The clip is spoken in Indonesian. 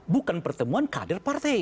bukan pertemuan kader partai